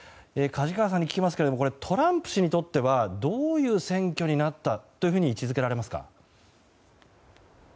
梶川さんに聞きますがこれ、トランプ氏にとってはどういう選挙になったと位置づけられますか？